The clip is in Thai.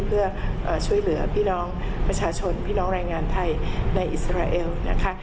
เพื่อช่วยเหลือพี่น้องประชาชนพี่น้องแรงงานไทยในอิสราเอลนะคะ